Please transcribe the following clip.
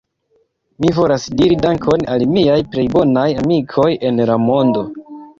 Mi volas diri Dankon al miaj plej bonaj amikoj en la mondo